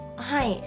はい。